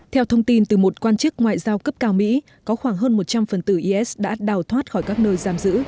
theo thông tin từ một quan chức ngoại giao cấp cao mỹ có khoảng hơn một trăm linh phần tử is đã đào thoát khỏi các nơi giam giữ